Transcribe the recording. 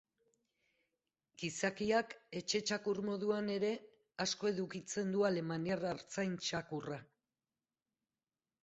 Gizakiak etxe-txakur moduan ere asko edukitzen du alemaniar artzain txakurra.